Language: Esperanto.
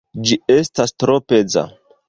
Ĝi estas tro peza.